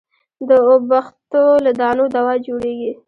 د اوبښتو له دانو دوا جوړېږي.